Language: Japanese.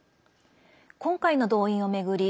今回の動員を巡り